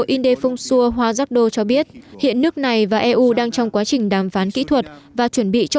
indefongsuado cho biết hiện nước này và eu đang trong quá trình đàm phán kỹ thuật và chuẩn bị cho